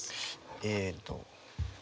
えっと。